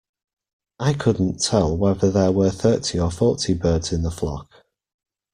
I couldn't tell whether there were thirty or forty birds in the flock